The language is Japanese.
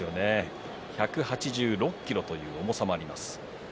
１８６ｋｇという重さもあります。